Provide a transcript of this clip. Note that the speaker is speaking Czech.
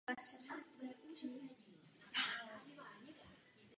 V hostujících rolích se objevil Mark Sheppard a Amanda Pays.